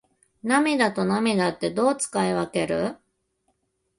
涙と泪ってどう使い分ける？